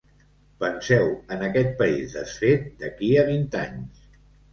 Penseu en aquest país desfet d’aquí a vint anys.